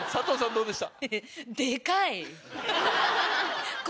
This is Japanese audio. どうでした？